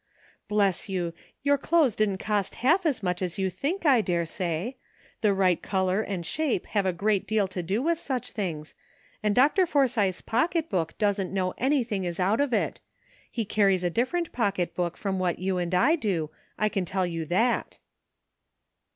Bless you! your clothes didn't cost half as much as you think, I daresay. The right c< lor and shape have a great deal to do with such things, and Dr. Forsythe's pocket book doesn't know anything is out of it. He carries a different 240 BORROWEJJ TROUBLE. pocket book from what you and I do, I can tell you that."